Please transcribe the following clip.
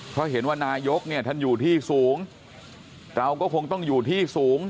เพราะเห็นว่านายกเนี่ยท่านอยู่ที่สูงเราก็คงต้องอยู่ที่สูง